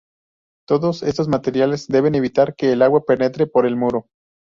Todos estos materiales deben evitar que el agua penetre por el muro.